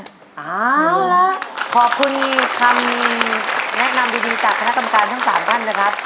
เอาละขอบคุณคำแนะนำดีจากคณะกรรมการทั้ง๓ท่านนะครับ